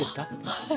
はい。